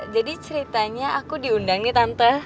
ceritanya aku diundang nih tante